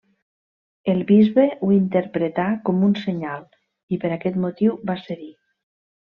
El bisbe ho interpretà com un senyal i per aquest motiu va cedir.